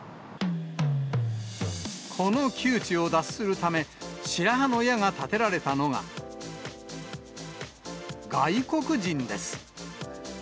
この窮地を脱するため、白羽の矢が立てられたのが、外国人です。